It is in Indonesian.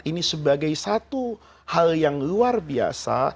ini sebagai satu hal yang luar biasa